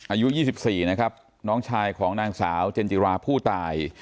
อายุ๒๔นะครับน้องชายของนางสาวเจนจิราผู้ตาย